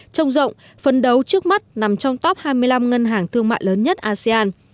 trông rộng phấn đấu trước mắt nằm trong top hai mươi năm ngân hàng thương mại lớn nhất asean